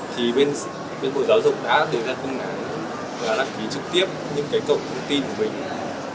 thì bên bộ giáo dục đã đưa ra thông cán và đăng ký trực tiếp những cái cộng thông tin của mình